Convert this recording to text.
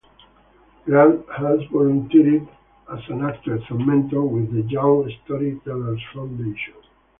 Grant has volunteered as an actress and mentor with the Young Storytellers Foundation.